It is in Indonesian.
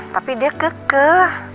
tapi dia kekeh